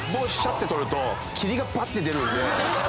ッて取ると霧がバッ！って出るんで。